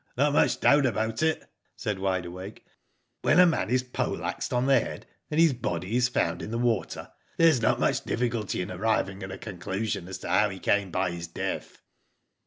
"Not much doubt about it," said Wide Awake. ''When a man is pole axed on the head, and his body is found in the water, there is not much difficulty in arriving at a conclusion as to how he came by his death."